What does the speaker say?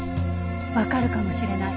わかるかもしれない。